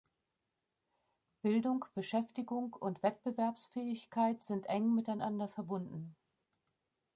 Bildung, Beschäftigung und Wettbewerbsfähigkeit sind eng miteinander verbunden.